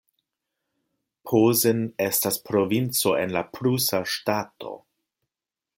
Posen estas provinco en la prusa ŝtato.